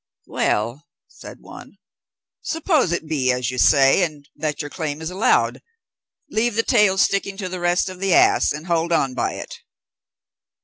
"Well," said one, "suppose it be as you say, and that your claim is allowed; leave the tail sticking to the rest of the ass, and hold on by it."